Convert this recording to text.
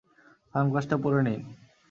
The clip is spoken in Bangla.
সানগ্লাসটা পড়ে নিন।